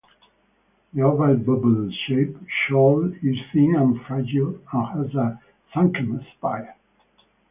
The oval bubble-shaped shell is thin and fragile and has a sunken spire.